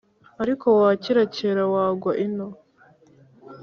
ariko wakerakera wagwa ino"